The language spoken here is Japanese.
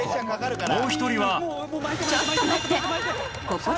もう一人は。